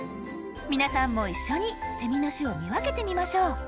皆さんも一緒にセミの種を見分けてみましょう。